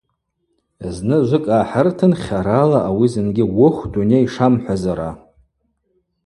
Зны жвыкӏ гӏахӏыртын хьарала ауи зынгьи уыхв дуней шамхӏвазара.